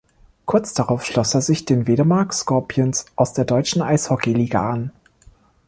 Kurz darauf schloss er sich den Wedemark Scorpions aus der Deutschen Eishockey Liga an.